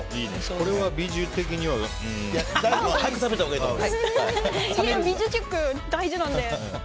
これはビジュ的には。早く食べたほうがいいと思います。